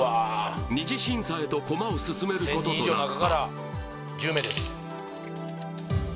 ２次審査へと駒を進めることとなった